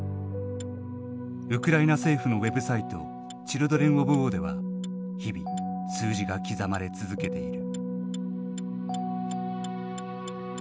ウクライナ政府のウェブサイト「ＣＨＩＬＤＲＥＮＯＦＷＡＲ」では日々数字が刻まれ続けている。